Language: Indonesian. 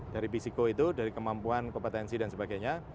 dari bisiko itu dari kemampuan kompetensi dan sebagainya